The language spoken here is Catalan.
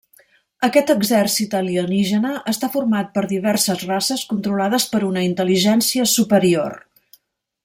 Aquest exèrcit alienígena està format per diverses races controlades per una intel·ligència superior.